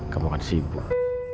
kamu kan sibuk